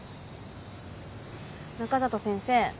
中里先生